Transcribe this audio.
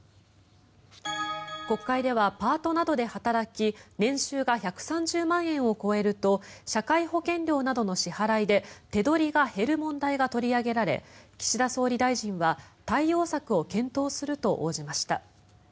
国会ではパートなどで働き年収が１３０万円を超えると社会保険料などの支払いで手取りが減る問題が取り上げられ岸田総理大臣は対応策を検討すると応じました。